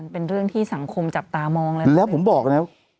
เป็นเรื่องที่สังคมจับตามองแล้วนะแล้วผมบอกนะ